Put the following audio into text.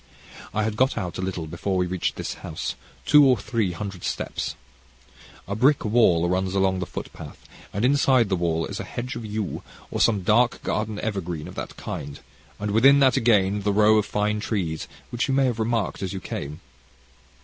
"I had got out a little before we reached this house, two or three hundred steps. A brick wall runs along the footpath, and inside the wall is a hedge of yew, or some dark evergreen of that kind, and within that again the row of fine trees which you may have remarked as you came.